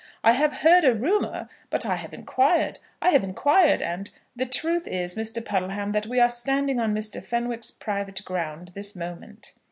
I have heard a rumour; but I have inquired. I have inquired, and " "The truth is, Mr. Puddleham, that we are standing on Mr. Fenwick's private ground this moment."